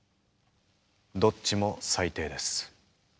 どっちも最低です。